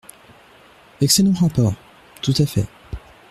Excellent rapport ! Tout à fait.